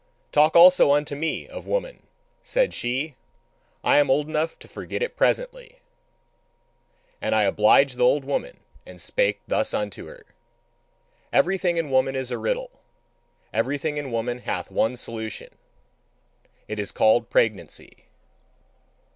"Talk also unto me of woman," said she; "I am old enough to forget it presently." And I obliged the old woman and spake thus unto her: Everything in woman is a riddle, and everything in woman hath one solution it is called pregnancy.